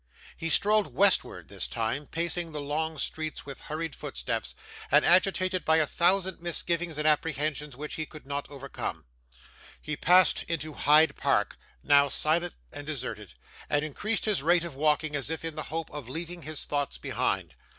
He strolled westward this time, pacing the long streets with hurried footsteps, and agitated by a thousand misgivings and apprehensions which he could not overcome. He passed into Hyde Park, now silent and deserted, and increased his rate of walking as if in the hope of leaving his thoughts behind.